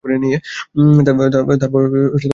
তারপর চলে যান ইংল্যান্ডে।